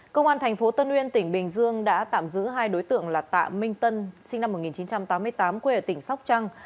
công an tp tân uyên tỉnh bình dương đã tạm giữ hai đối tượng là tạ minh tân sinh năm một nghìn chín trăm tám mươi tám quê ở tỉnh sóc trăng